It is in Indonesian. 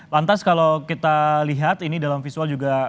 lantas kalau kita lihat ini dalam visual juga